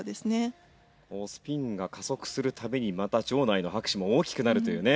もうスピンが加速するたびにまた場内の拍手も大きくなるというね